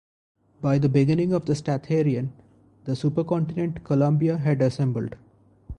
By the beginning of the Statherian, the supercontinent Columbia had assembled.